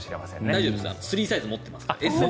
大丈夫スリーサイズを持ってますから。